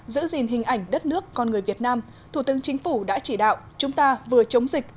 giữ gìn hình ảnh đất nước con người việt nam thủ tướng chính phủ đã chỉ đạo chúng ta vừa chống dịch